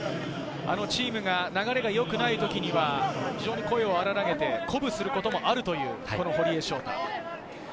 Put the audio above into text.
チームの流れがよくない時には声を荒らげて鼓舞することもあるという、堀江翔太。